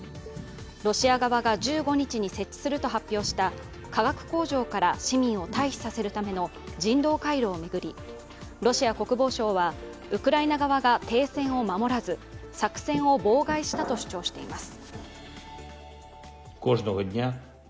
ロシア側が１５日に設置すると発表した化学工場から市民を退避させるための人道回廊を巡り、ロシア国防省は、ウクライナ側が停戦を守らず作戦を妨害したと主張しています。